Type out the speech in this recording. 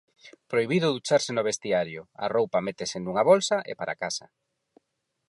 Prohibido ducharse no vestiario: a roupa métese nunha bolsa e para casa.